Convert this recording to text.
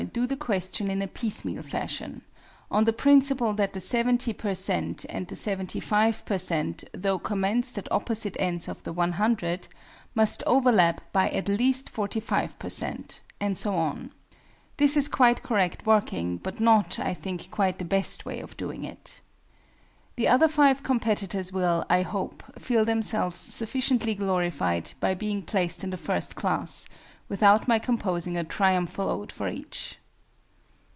do the question in a piecemeal fashion on the principle that the 70 per cent. and the 75 per cent., though commenced at opposite ends of the 100, must overlap by at least 45 per cent.; and so on. This is quite correct working, but not, I think, quite the best way of doing it. The other five competitors will, I hope, feel themselves sufficiently glorified by being placed in the first class, without my composing a Triumphal Ode for each!